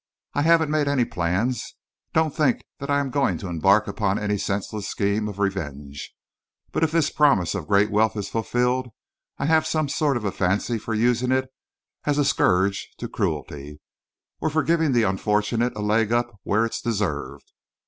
I haven't made any plans. Don't think that I am going to embark upon any senseless scheme of revenge but if this promise of great wealth is fulfilled, I have some sort of a fancy for using it as a scourge to cruelty, or for giving the unfortunate a leg up where it's deserved.